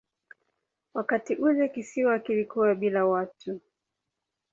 Wakati ule kisiwa kilikuwa bila watu.